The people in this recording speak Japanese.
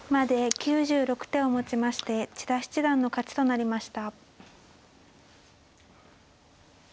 ９６手をもちまして千田七段の勝ちとなりました。